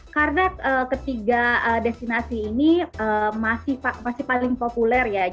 karena ketiga destinasi ini masih paling populer ya